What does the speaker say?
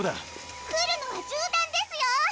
来るのは銃弾ですよ！